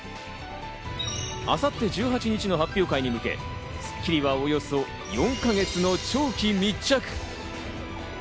明後日１８日の発表会に向け、『スッキリ』はおよそ４か月の長期密着。